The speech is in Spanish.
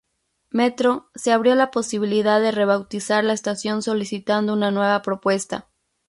Metro se abrió a la posibilidad de rebautizar la estación, solicitando una nueva propuesta.